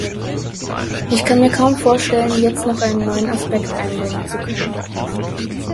Ich kann mir kaum vorstellen, jetzt noch einen neuen Aspekt einbringen zu können.